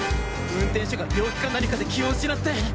運転手が病気か何かで気を失って。